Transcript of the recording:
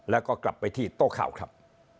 แล้วก็กลับไปที่โต๊ะข่าวครับ